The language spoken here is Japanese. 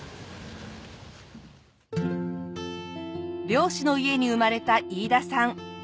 漁師の家に生まれた飯田さん。